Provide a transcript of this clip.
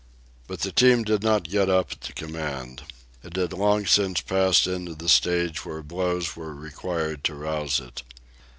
But the team did not get up at the command. It had long since passed into the stage where blows were required to rouse it.